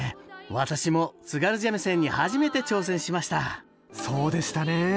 私も津軽三味線に初めて挑戦しましたそうでしたね。